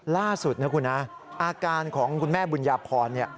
ล่าสุดนะคุณนะอาการของคุณแม่บุญญาพรเนี่ย